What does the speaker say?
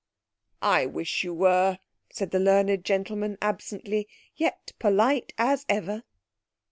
"I wish you were," said the learned gentleman absently, yet polite as ever.